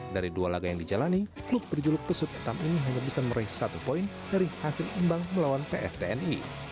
dari dua laga yang dijalani klub berjuluk pesut enam ini hanya bisa meraih satu poin dari hasil imbang melawan pstni